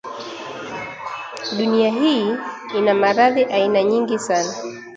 Dunia hii ina maradhi aina nyingi sana